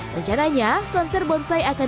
rencananya konser bonsai akan